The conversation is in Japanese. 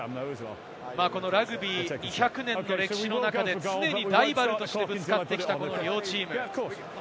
ラグビー２００年の歴史の中で、常にライバルとしてぶつかってきた両チーム。